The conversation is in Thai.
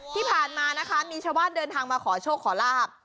ที่ผ่านมานะคะมีชาวบ้านเดินทางมาขอโชคขอลาบ